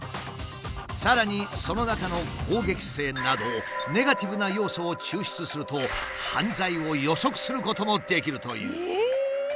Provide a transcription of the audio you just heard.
さらにその中の「攻撃性」などネガティブな要素を抽出すると犯罪を予測することもできるという。